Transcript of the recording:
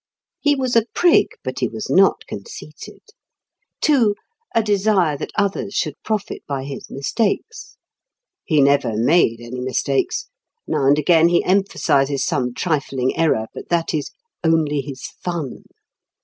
He was a prig, but he was not conceited. (2) A desire that others should profit by his mistakes. He never made any mistakes. Now and again he emphasizes some trifling error, but that is "only his fun."